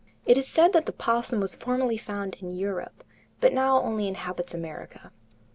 It is said that the opossum was formerly found in Europe, but now only inhabits America.